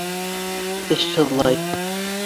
Теш һыҙлай